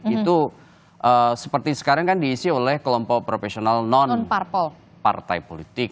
itu seperti sekarang kan diisi oleh kelompok profesional non partai politik